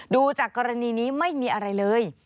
ดูจากกรณีนี้ไม่มีอะไรเลย